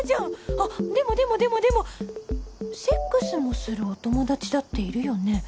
あっでもでもでもでもセックスもするお友達だっているよね？